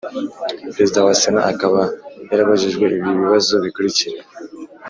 Perezida wa sena akaba yarabajijwe ibi bibazo bikurikira.